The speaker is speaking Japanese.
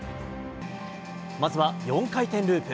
まずは４回転ループ。